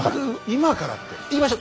今からって。